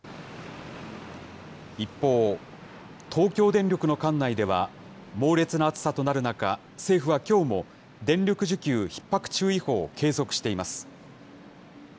一方、東京電力の管内では、猛烈な暑さとなる中、政府はきょうも、電力需給ひっ迫注意報を継続しています。